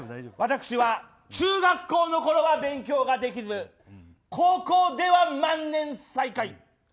私は中学校のころは勉強ができず高校では万年最下位